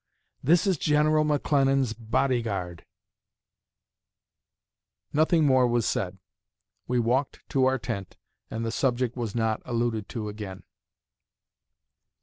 This is General McClellan's body guard.' Nothing more was said. We walked to our tent, and the subject was not alluded to again."